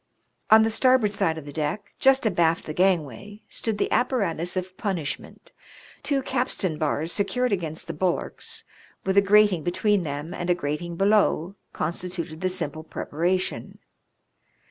On the starboard side of the deck, just abaft the gangway, stood the apparatus of punish ment; two capstan bars secured against the bulwarks, with a grating between them, and a grating below, con stituted the simple preparation.